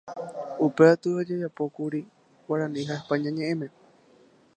Upe aty ojejapókuri Guarani ha España ñeʼẽme.